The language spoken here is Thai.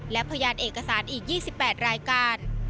และพยานเอกสารอีก๒๘รายการ